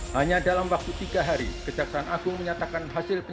hanya dalam waktu tiga hari kejaksaan agung menyatakan